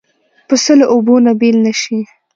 پسه له اوبو نه بېل نه شي.